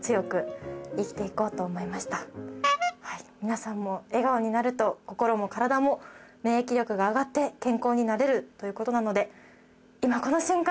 い皆さんも笑顔になると心も体も免疫力が上がって健康になれるということなので。